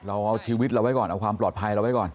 เราเอาชีวิตเราไว้ก่อนเอาความปลอดภัยเราไว้ก่อน